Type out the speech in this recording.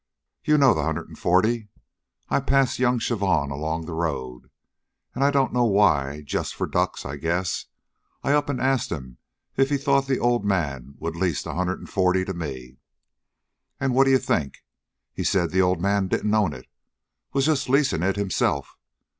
"You know the hundred an' forty. I passed young Chavon along the road, an' I don't know why just for ducks, I guess I up an' asked 'm if he thought the old man would lease the hundred an' forty to me. An' what d 'you think! He said the old man didn't own it. Was just leasin' it himself.